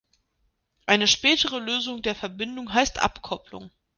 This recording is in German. Eine spätere Lösung der Verbindung heißt Abkopplung.